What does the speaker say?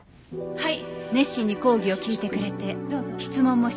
はい。